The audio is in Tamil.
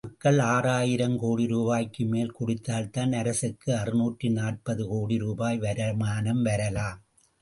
மக்கள் ஆறு ஆயிரம் கோடி ரூபாய்க்கு மேல் குடித்தால்தான் அரசுக்கு அறுநூற்று நாற்பது கோடி ரூபாய் வருமானம் வரலாம்.